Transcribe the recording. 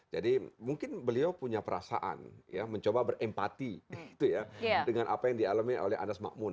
jadi mungkin beliau punya perasaan ya mencoba berempati dengan apa yang dialami oleh anas maqmun